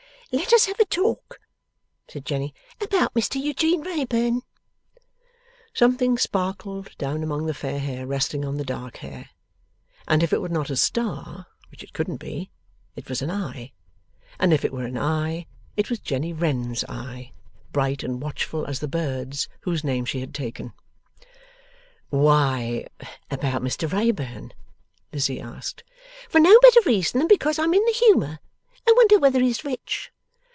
'Let us have a talk,' said Jenny, 'about Mr Eugene Wrayburn.' Something sparkled down among the fair hair resting on the dark hair; and if it were not a star which it couldn't be it was an eye; and if it were an eye, it was Jenny Wren's eye, bright and watchful as the bird's whose name she had taken. 'Why about Mr Wrayburn?' Lizzie asked. 'For no better reason than because I'm in the humour. I wonder whether he's rich!